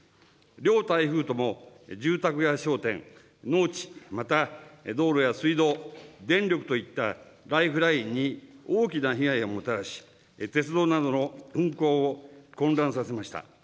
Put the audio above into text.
両台風とも住宅や商店、農地、また道路や水道、電力といったライフラインに大きな被害をもたらし、鉄道などの運行を混乱させました。